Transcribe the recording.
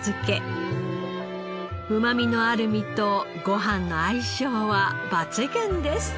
うまみのある身とご飯の相性は抜群です。